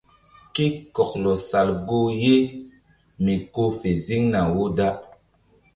Ke kɔklɔ sal goh ye mi ko fe ziŋna wo da.